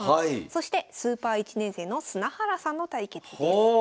そしてスーパー１年生の砂原さんの対決です。